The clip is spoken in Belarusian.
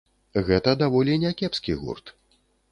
Гэта даволі някепскі гурт.